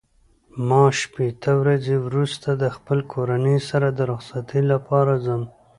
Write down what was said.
ما شپېته ورځې وروسته د خپل کورنۍ سره د رخصتۍ لپاره ځم.